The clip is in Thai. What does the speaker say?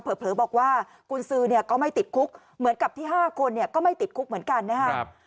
เผลอบอกว่ากุญซือเนี่ยก็ไม่ติดคุกเหมือนกับที่๕คนเนี่ยก็ไม่ติดคุกเหมือนกันนะครับ